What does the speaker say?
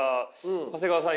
長谷川さん